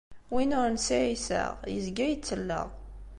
Win ur nesɛi iseɣ, yezga yettelleɣ.